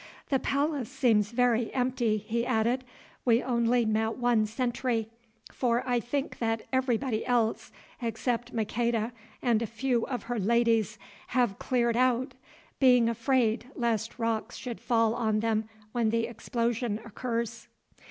"The palace seems very empty," he added; "we only met one sentry, for I think that everybody else, except Maqueda and a few of her ladies, have cleared out, being afraid lest rocks should fall on them when the explosion occurs."